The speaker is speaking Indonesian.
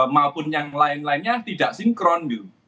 maupun yang lain lainnya tidak sinkron